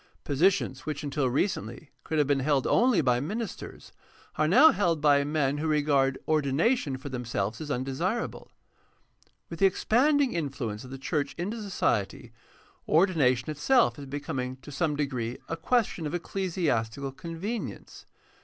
Positions which until recently could have been held only by ministers are now held by men who regard ordination for themselves as undesirable. With the expanding influence of the church into society, ordination itself is becoming to some degree a question of ecclesiastical convenience.